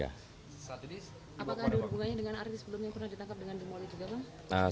apakah ada hubungannya dengan artis sebelumnya yang pernah ditangkap dengan demoli juga bang